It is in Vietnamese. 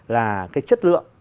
là cái chất lượng